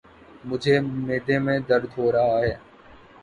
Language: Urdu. مجھے معدے میں درد ہو رہا ہے۔